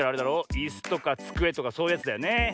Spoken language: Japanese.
いすとかつくえとかそういうやつだよね。